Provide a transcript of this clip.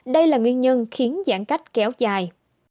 đây là nguyên nhân khiến giãn cách kéo dài